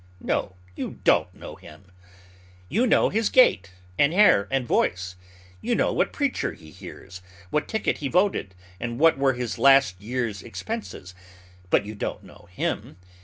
No, you don't know him. You know his gait, and hair, and voice. You know what preacher he hears, what ticket he voted, and what were his last year's expenses; but you don't know him.